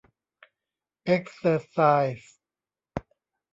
เอ็กเซอร์ไซส์